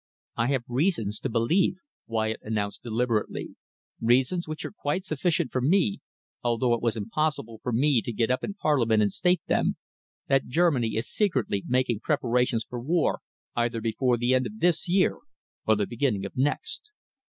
"I have reasons to believe," Wyatt announced deliberately, "reasons which are quite sufficient for me, although it was impossible for me to get up in Parliament and state them, that Germany is secretly making preparations for war either before the end of this year or the beginning of next."